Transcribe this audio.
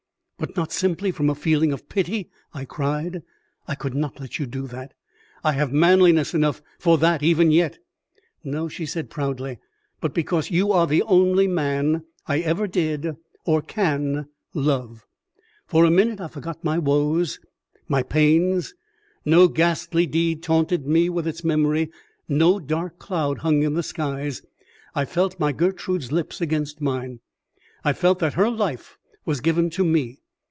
"But not simply from a feeling of pity?" I cried. "I could not let you do that. I have manliness enough for that even yet." "No," she said proudly, "but because you are the only man I ever did or can love." For a minute I forgot my woes, my pains. No ghastly deed taunted me with its memory, no dark cloud hung in the skies. I felt my Gertrude's lips against mine; I felt that her life was given to me.